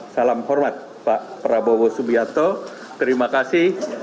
salam hormat pak prabowo subianto terima kasih